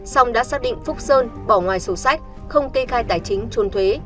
xong đã xác định phúc sơn bỏ ngoài số sách không kê khai tài chính trốn thuế